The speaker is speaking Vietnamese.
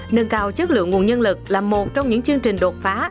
nâng cao chất lượng nguồn nhân lực là một trong những chương trình đột phá